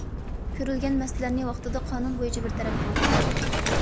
كۆرۈلگەن مەسىلىلەرنى ۋاقتىدا قانۇن بويىچە بىر تەرەپ قىلدى.